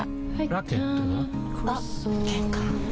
ラケットは？